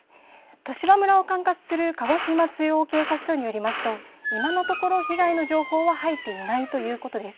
十島村を管轄する鹿児島中央警察署によりますと今のところ被害の情報は入っていないということです。